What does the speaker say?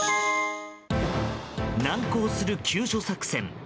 難航する救助作戦。